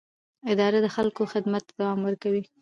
اداره د خلکو خدمت ته دوام ورکوي.